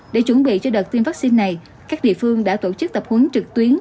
để chuẩn bị cho đợt tiêm vaccine này các địa phương đã tổ chức tập huấn trực tuyến